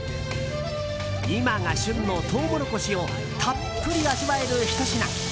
今が旬のトウモロコシをたっぷり味わえるひと品。